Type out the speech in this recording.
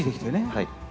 はい。